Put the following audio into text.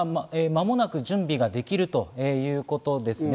間もなく準備ができるということです。